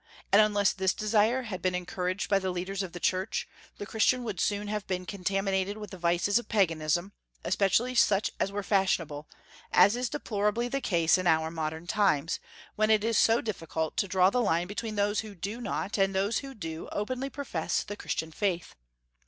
And unless this desire had been encouraged by the leaders of the Church, the Christian would soon have been contaminated with the vices of Paganism, especially such as were fashionable, as is deplorably the case in our modern times, when it is so difficult to draw the line between those who do not and those who do openly profess the Christian faith.